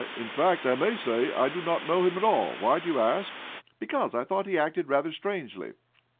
"In fact, I may say I do not know him at all. Why do you ask?" "Because I thought he acted rather strangely."